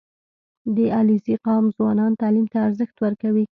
• د علیزي قوم ځوانان تعلیم ته ارزښت ورکوي.